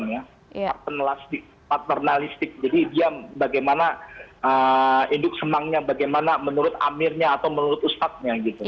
dan ini adalah model yang sangat penelastik paternalistik jadi dia bagaimana induk semangnya bagaimana menurut amirnya atau menurut ustadznya gitu